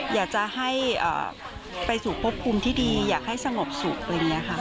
อยากจะให้ไปสู่พบภูมิที่ดีอยากให้สงบสุขอะไรอย่างนี้ค่ะ